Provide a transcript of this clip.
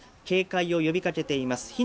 警戒を呼び掛けています